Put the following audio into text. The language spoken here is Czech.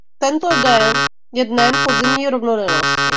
Tento den je dnem podzimní rovnodennosti.